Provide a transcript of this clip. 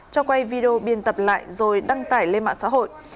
cho quay video biên tập lại rồi đăng tải lên mạng xã hội